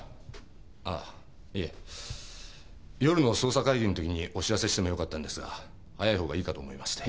いえ夜の捜査会議のときにお知らせしてもよかったんですが早い方がいいかと思いまして。